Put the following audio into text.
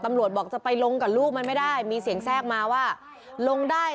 เอ่อตำรวจบอกจะไปลงกับลูกไม่ได้มีเสียงแทนมาก็ลงได้